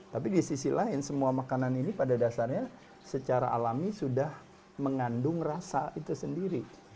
tapi di sisi lain semua makanan ini pada dasarnya secara alami sudah mengandung rasa itu sendiri